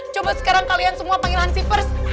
coba sekarang kalian semua panggil hansi first